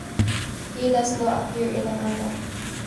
He does not appear in the manga.